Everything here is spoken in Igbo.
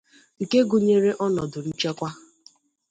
nke gụnyere ọnọdụ nchekwa